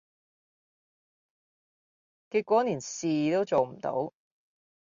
結果連事都做唔到